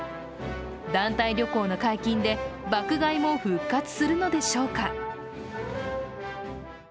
団体旅行の解禁で爆買いも復活するのでしょうか。